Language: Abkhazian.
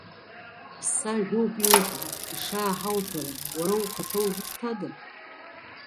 Ԥсажәоуп иуҳәо, ишааҳауҳәара, уара ухаҭа узусҭада?